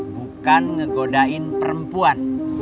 bukan ngegodain perempuan